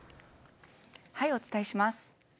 お伝えします。